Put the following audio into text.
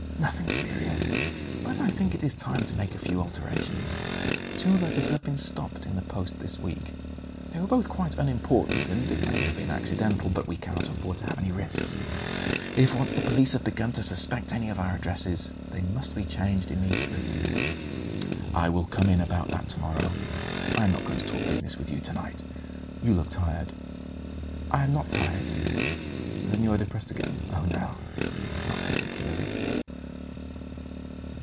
"Nothing serious; but I think it is time to make a few alterations. Two letters have been stopped in the post this week. They were both quite unimportant, and it may have been accidental; but we cannot afford to have any risks. If once the police have begun to suspect any of our addresses, they must be changed immediately." "I will come in about that to morrow. I am not going to talk business with you to night; you look tired." "I am not tired." "Then you are depressed again." "Oh, no; not particularly."